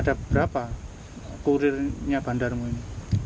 ada berapa kurirnya bandarmu ini